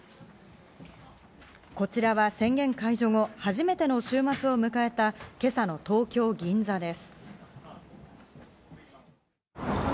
こちらは宣言解除後、初めての週末を迎えた今朝の東京・銀座です。